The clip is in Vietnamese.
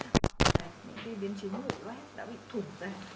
những triệu chứng của bệnh nhân viêm lét đã bị thủng ra